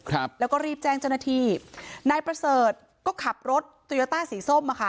ครับแล้วก็รีบแจ้งเจ้าหน้าที่นายประเสริฐก็ขับรถโตโยต้าสีส้มอ่ะค่ะ